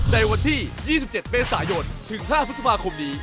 ในวันที่๒๗เมษายนถึง๕พฤษภาคมนี้